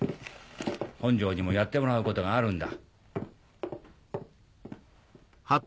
本庄にもやってもらうことがあるんだ。